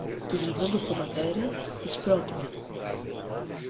Και γυρνώντας στον πατέρα της πρότεινε: